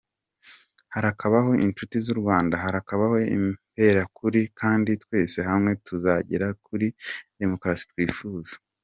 Harakabaho Inshuti z’u Rwanda, harakabaho Imberakuri kandi twese hamwe tuzagera kuri Demukarasi twifuza.